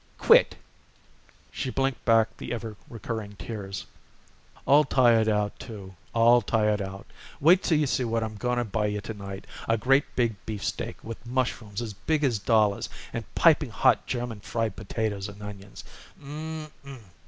"Quit." She blinked back the ever recurring tears. "All tired out, too; all tired out. Wait till you see what I'm going to buy you to night. A great big beefsteak with mushrooms as big as dollars and piping hot German fried potatoes and onions. M m m m!